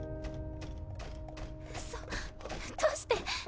うそどうして？